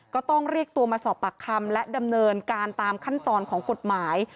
ก็ต้องเรียกตัวมาสอบปากคำและดำเนินการตามขั้นตอนของกฎหมาย